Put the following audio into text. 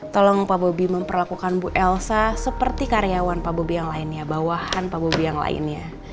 tolong pak bobi memperlakukan bu elsa seperti karyawan pak bobi yang lainnya bawahan pak bobi yang lainnya